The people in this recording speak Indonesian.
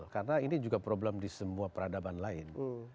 karena ini juga problem di semua peradaban lain